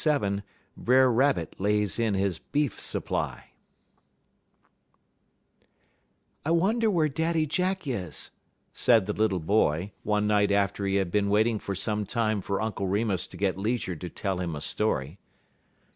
XLVII BRER RABBIT LAYS IN HIS BEEF SUPPLY "I wonder where Daddy Jack is," said the little boy, one night after he had been waiting for some time for Uncle Remus to get leisure to tell him a story.